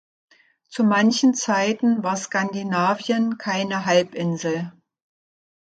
Zu manchen Zeiten war Skandinavien keine Halbinsel.